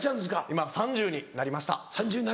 今３０歳になりました。